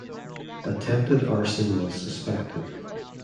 Attempted arson was suspected.